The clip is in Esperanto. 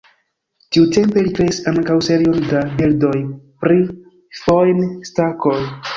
Tiutempe li kreis ankaŭ serion da bildoj pri fojn-stakoj.